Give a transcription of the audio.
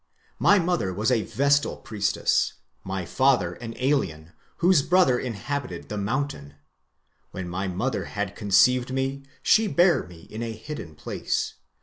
My mother was a vestal (priestess), my father an alien, whose brother inhabited the mountain.... When my mother had conceived me, she bare me in a hidden place.